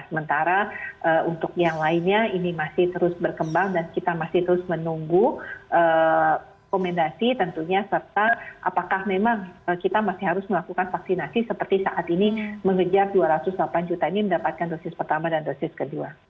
sementara untuk yang lainnya ini masih terus berkembang dan kita masih terus menunggu rekomendasi tentunya serta apakah memang kita masih harus melakukan vaksinasi seperti saat ini mengejar dua ratus delapan juta ini mendapatkan dosis pertama dan dosis kedua